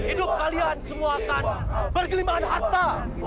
hidup kalian semua akan bergelimaan harta